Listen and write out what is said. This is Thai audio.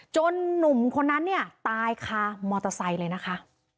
จนหนุ่มคนนั้นตายค่ะมอเตอร์ไซค์เลยนะคะ